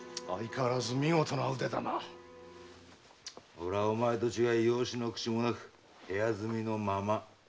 俺はお前と違い養子の口もなく部屋住みのまま。